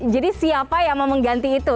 jadi siapa yang mau mengganti itu